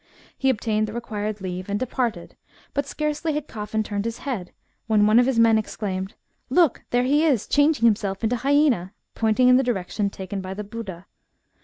He obtained the required leave and departed ; but scarcely had Coffin turned his head, when one of his men FOLK LORE RELATING TO WERE WOLVES. 121 exclaimed,— " Look ! there he is, changing himself into hysBna," pointing in the direction taken by the Buda.